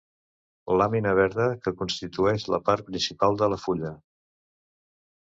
Làmina verda que constitueix la part principal de la fulla.